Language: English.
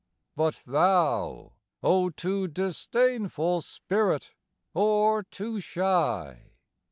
But thou, O too disdainful spirit, or too shy!